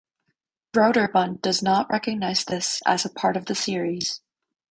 Broderbund does not recognise this as a part of the series.